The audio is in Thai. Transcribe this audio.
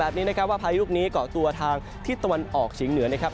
นี้นะครับว่าพายุลูกนี้เกาะตัวทางทิศตะวันออกเฉียงเหนือนะครับ